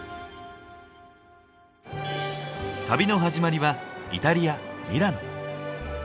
旅の始まりはイタリア・ミラノ。